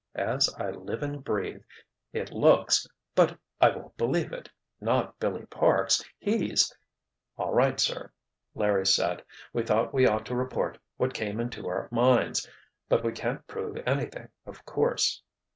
"As I live and breathe—it looks—but I won't believe it! Not Billy Parks. He's——" "All right, sir," Larry said. "We thought we ought to report what came into our minds. But we can't prove anything, of course."